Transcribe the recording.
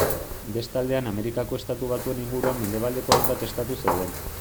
Beste aldean Amerikako Estatu Batuen inguruan mendebaldeko hainbat estatu zeuden.